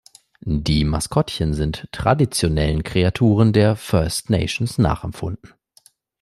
Die Maskottchen sind traditionellen Kreaturen der First Nations nachempfunden.